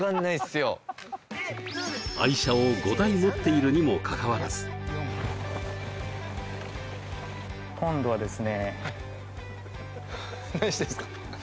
愛車を５台持っているにもかかわらず今度はですね